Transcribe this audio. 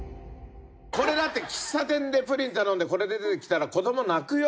これだって喫茶店でプリン頼んでこれで出てきたら子供泣くよ？